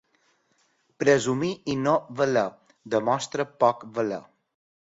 Presumir i no valer, demostra poc valer.